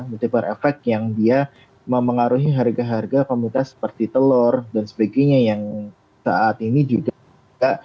multiple effect yang dia mempengaruhi harga harga komunitas seperti telur dan sebagainya yang saat ini juga